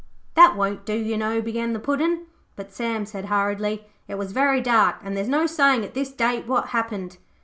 'That won't do, you know,' began the Puddin', but Sam said hurriedly, 'It was very dark, and there's no sayin' at this date what happened.'